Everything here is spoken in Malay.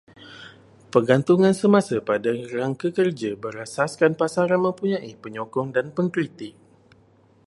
Pergantungan semasa pada rangka kerja berasaskan pasaran mempunyai penyokong dan pengkritik